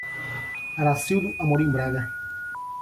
Aracildo Amorim Braga